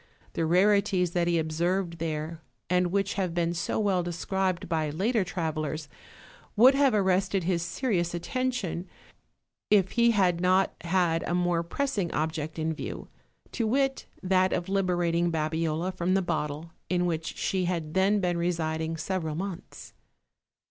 The rarities that he ob served there, and which have been so well described by later travelers, would have arrested his serious attention, if he had not had a more pressing object in view; to wit, that of liberating Babiola from the bottle, in which she had then been residing several months.